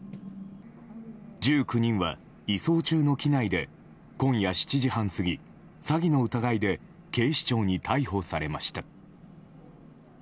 １９人は移送中の機内で今夜７時半過ぎ詐欺の疑いで警視庁に逮捕されました。